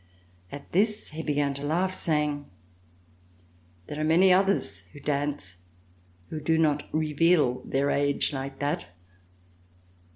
At this he began to laugh, saying: *' There are many others who dance who do not reveal their age like that."